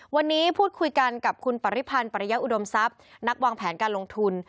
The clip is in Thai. วันนี้พูดคุยกันกับคุณปริพันธ์ปริยะอุดมทรัพย์นักวางแผนการลงทุน